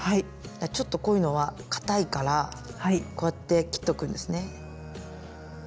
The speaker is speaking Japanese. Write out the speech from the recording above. ちょっとこういうのはかたいからこうやって切っておくんですね。